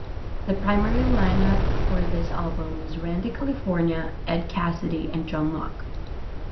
The primary line-up for this album was Randy California, Ed Cassidy and John Locke.